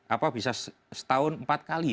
apa bisa setahun empat kali